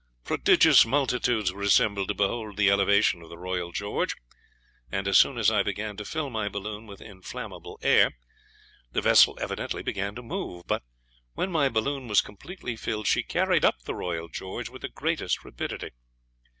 Prodigious multitudes were assembled to behold the elevation of the "Royal George," and as soon as I began to fill my balloon with inflammable air the vessel evidently began to move: but when my balloon was completely filled, she carried up the "Royal George" with the greatest rapidity.